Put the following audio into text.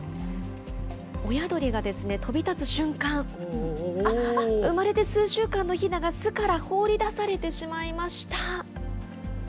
親鳥が飛び立つ瞬間、あっ、あっ、生まれて数週間のヒナが、巣から放り出されてしまいました。